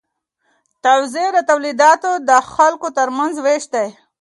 توزیع د تولیداتو د خلکو ترمنځ ویش دی.